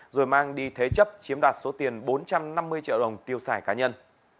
rồi mang đi thế chấp chiếm đoạt số tiền bốn trăm năm mươi triệu đồng tiêu xài cá nhân